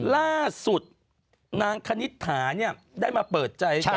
ล่าสุดนางชะนิดถาได้มาเปิดใจ